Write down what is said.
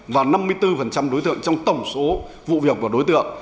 và năm mươi bốn đối tượng trong tổng số vụ việc của đối tượng